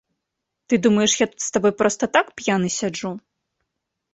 Ты думаеш, я тут з табой проста так п'яны сяджу?